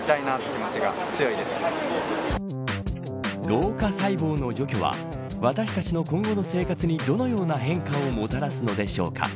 老化細胞の除去は私たちの今後の生活にどのような変化をもたらすのでしょうか。